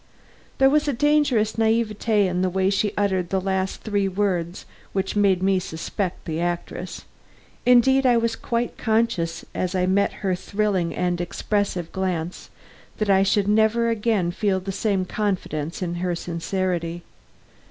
There was a dangerous naïveté in the way she uttered the last three words which made me suspect the actress. Indeed I was quite conscious as I met her thrilling and expressive glance, that I should never feel again the same confidence in her sincerity.